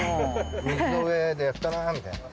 水の上でやったなみたいな。